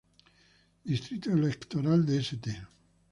Distrito electoral de St.